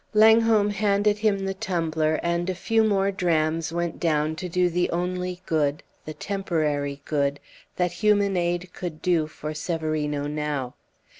Langholm handed him the tumbler, and a few more drams went down to do the only good the temporary good that human aid could do for Severino now.